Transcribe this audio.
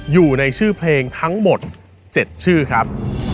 อยู่ในชื่อเพลงทั้งหมด๗ชื่อครับ